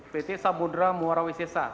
peti sabudra muara wisesa